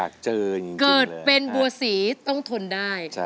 เกิดเป็นบัวศรีต้องทนได้